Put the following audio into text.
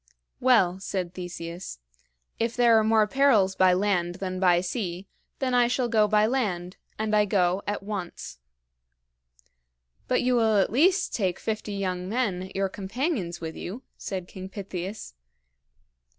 "Well," said Theseus, "if there are more perils by land than by sea, then I shall go by land, and I go at once." "But you will at least take fifty young men, your companions, with you?" said King Pittheus.